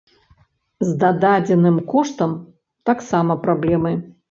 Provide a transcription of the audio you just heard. З дададзеным коштам таксама праблемы.